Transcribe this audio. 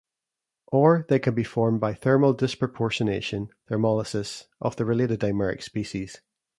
Or they can be formed via thermal disproportionation (thermolysis) of the related dimeric species.